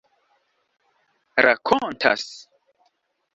rakontas